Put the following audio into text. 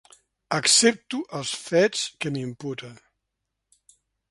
Accepto els fets que m’imputa.